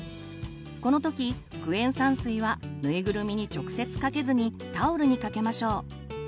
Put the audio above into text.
この時クエン酸水はぬいぐるみに直接かけずにタオルにかけましょう。